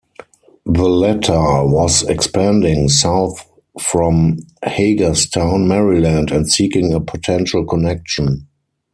The latter was expanding south from Hagerstown, Maryland, and seeking a potential connection.